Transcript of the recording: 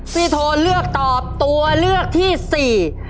โทนเลือกตอบตัวเลือกที่สี่